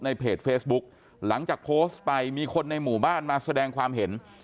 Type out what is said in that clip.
เพจเฟซบุ๊กหลังจากโพสต์ไปมีคนในหมู่บ้านมาแสดงความเห็น